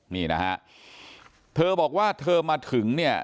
นี่นะฮะเธอบอกว่าเธอมาถึงเนี่ย